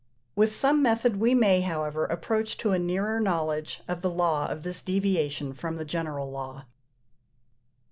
With some method we may, however, approach to a nearer knowledge of the law of this deviation from the general law.